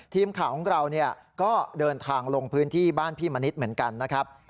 ทีมข่าวของเราก็เดินทางลงพื้นที่บ้านพี่มณิษฐ์เหมือนกันนะครับ